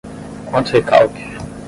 Quanto recalque